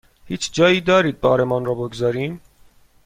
هیچ جایی دارید بارمان را بگذاریم؟